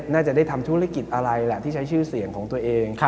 น่าจะได้ทำธุรกิจอะไรแหละที่ใช้ชื่อเสียงของตัวเอง